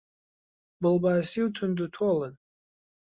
بڵباسی و توند و تۆڵن